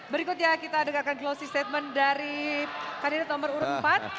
berikutnya kita dengarkan closing statement dari kandidat nomor urut empat